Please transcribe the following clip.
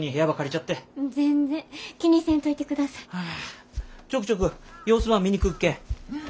ちょくちょく様子ば見に来っけん。